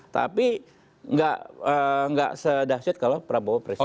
tapi nggak sedahsyat kalau prabowo presiden